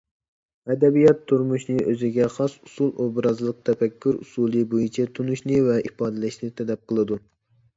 ئەدەبىيات تۇرمۇشنى ئۆزىگە خاس ئۇسۇل – ئوبرازلىق تەپەككۇر ئۇسۇلى بويىچە تونۇشنى ۋە ئىپادىلەشنى تەلەپ قىلىدۇ.